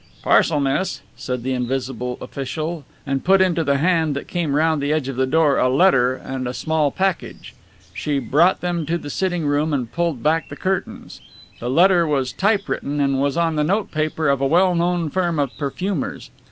"Parcel, miss," said the invisible official, and put into the hand that came round the edge of the door a letter and a small package. She brought them to the sitting room and pulled back the curtains. The letter was type written and was on the note paper of a well known firm of perfumers.